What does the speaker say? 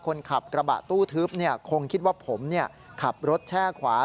คนขับกระบะตู้ทึบคงคิดว่าผมขับรถแช่ขวา